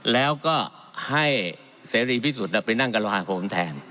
แล้วก็ให้เสรีพิสุทธิ์ไปนั่งกับลาคมแทน